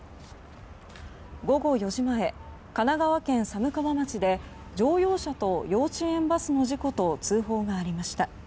午後４時前、神奈川県寒川町で乗用車と幼稚園バスの事故と通報がありました。